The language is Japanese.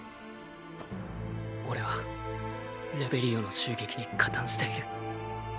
オレはレベリオの襲撃に加担している。